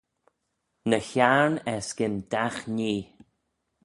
Ny Hiarn erskyn dagh nhee.